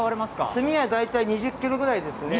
炭は大体２０ｋｇぐらいですね。